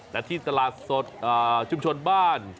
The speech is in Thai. และที่ตลาดสดชุมชนบ้าน